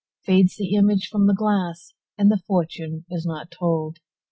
Fades the image from the glass, And the fortune is not told.